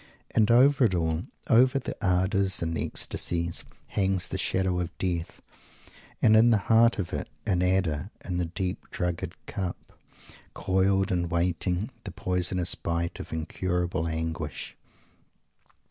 And over it all, over the ardours and ecstasies, hangs the shadow of Death; and in the heart of it, an adder in the deep drugged cup, coiled and waiting, the poisonous bite of incurable anguish!